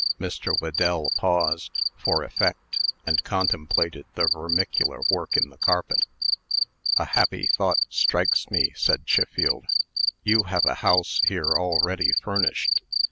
Mr. Whedell paused, for effect, and contemplated the vermicular work in the carpet. "A happy thought strikes me," said Chiffield. "You have a house here, already furnished.